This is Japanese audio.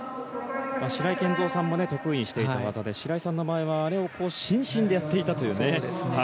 白井健三さんも得意にしていた技で白井さんが前はあれを伸身でやっていたという。